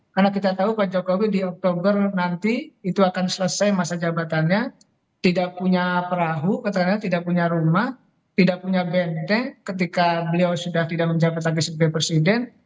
karena kita tahu pak jokowi di oktober nanti itu akan selesai masa jabatannya tidak punya perahu tidak punya rumah tidak punya bnd ketika beliau sudah tidak menjabat lagi sebagai presiden